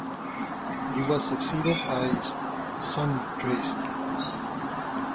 He was succeeded by his son Drest.